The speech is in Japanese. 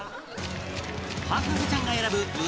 博士ちゃんが選ぶ胸